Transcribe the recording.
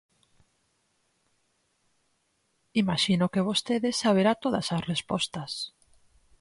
Imaxino que vostede saberá todas as respostas.